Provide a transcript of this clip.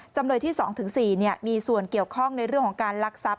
จำเลยที่สองถึงสี่มีส่วนเกี่ยวข้องในเรื่องของการลักษัพ